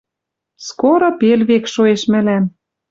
Скоро пел век шоэш мӹлӓм